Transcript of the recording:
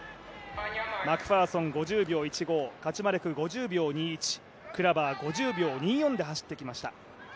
マクファーソン、５０秒１５カチュマレク５０秒２１、クラバー５０秒２４で走ってきました。